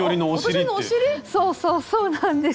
そうそうそうなんです。